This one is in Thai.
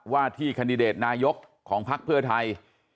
ว่าที่ขันดิเดตนายกของภัคค์เพ้อไทย